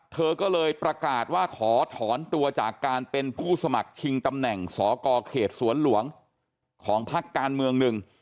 เธอก็เลยประกาศว่าขอถอนตัวจากการเป็นผู้สมัครชิงตำแหน่งสกเขตสวนหลวงของพักการเมืองหนึ่ง